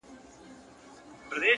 خوشحال په دې دى چي دا ستا خاوند دی.